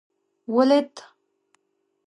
ولد؟